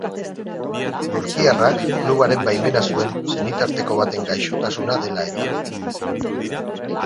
Turkiarrak klubaren baimena zuen senitarteko baten gaixotasuna dela eta.